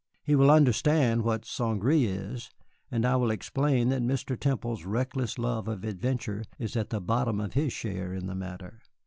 He will understand what St. Gré is, and I will explain that Mr. Temple's reckless love of adventure is at the bottom of his share in the matter."